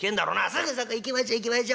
「すぐそこ行きましょ行きましょ。